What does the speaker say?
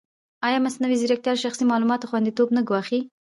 ایا مصنوعي ځیرکتیا د شخصي معلوماتو خوندیتوب نه ګواښي؟